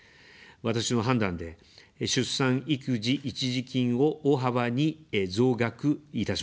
私の判断で、出産育児一時金を大幅に増額いたします。